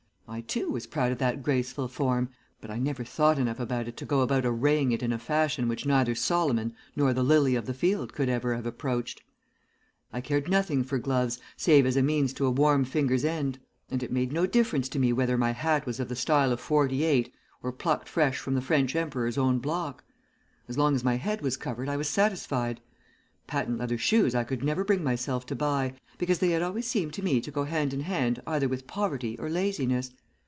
I, too, was proud of that graceful form, but I never thought enough about it to go about arraying it in a fashion which neither Solomon nor the lily of the field could ever have approached. I cared nothing for gloves save as a means to a warm finger's end, and it made no difference to me whether my hat was of the style of '48, or plucked fresh from the French Emperor's own block. As long as my head was covered I was satisfied. Patent leather shoes I could never bring myself to buy, because they had always seemed to me to go hand in hand either with poverty or laziness.